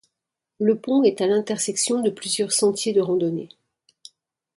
Le pont est à l'intersection de plusieurs sentiers de randonnée.